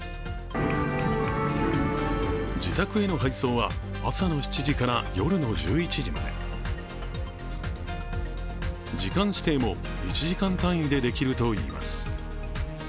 自宅への配送は朝の７時から夜の１１時まで、時間指定も１時間単位でできるといいます。